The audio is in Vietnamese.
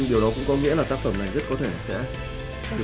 điều đó cũng có nghĩa là tác phẩm này rất có thể sẽ